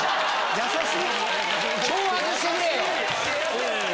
優しい！